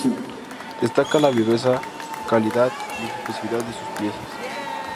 Destaca la viveza, calidad y expresividad de sus piezas.